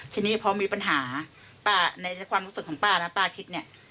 ทีนี้พอมีปัญหาป้าในความรู้สึกของป้านะป้าคิดเนี่ย